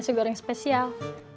nasi goreng spesial